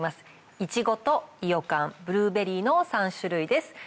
いちごといよかんブルーベリーの３種類です。